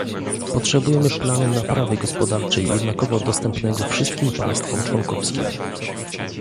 Potrzebujemy planu naprawy gospodarczej jednakowo dostępnego wszystkim państwom członkowskim